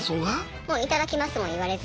もう「いただきます」も言われず。